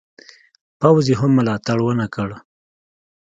پوځ یې هم ملاتړ ونه کړ.